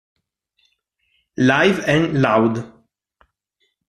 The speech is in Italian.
Live and Loud